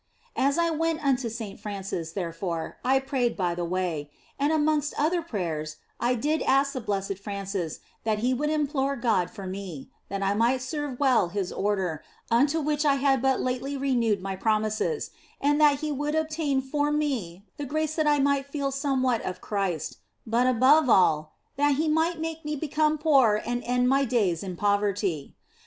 As I went unto Saint Francis, therefore, I prayed by the way. And amongst other prayers, I did ask the Blessed Francis that he would implore God for me, that I might serve well his Order, unto which I had but lately renewed my promises, and that he would obtain for me the grace that I might feel somewhat of Christ, but above all, that He would make me become poor and end my days in poverty.